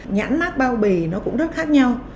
nhãn mát bao bì nó cũng rất khác nhau